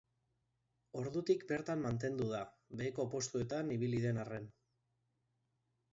Ordutik bertan mantendu da, beheko postuetan ibili den arren.